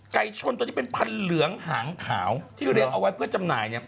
ไก่ชนตัวนี้เป็นพันเหลืองหางขาวที่เรียนเอาไว้เพื่อจำหน่าย